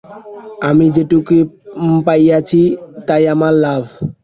আমি যেটুকু পাইয়াছি তাই আমার লাভ।